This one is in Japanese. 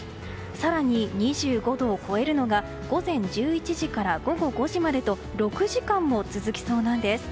更に２５度を超えるのが午前１１時から午後５時までと６時間も続きそうなんです。